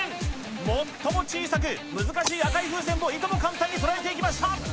最も小さく赤い風船をいとも簡単に捉えていきました。